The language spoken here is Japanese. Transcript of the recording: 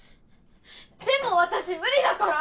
でも私無理だから！